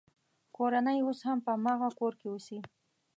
کورنۍ یې اوس هم په هماغه کور کې اوسي.